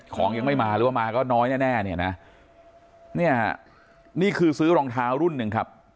ของยังไม่มาหรือว่ามาก็น้อยแน่แน่เนี่ยนะเนี่ยนี่คือซื้อรองเท้ารุ่นหนึ่งครับ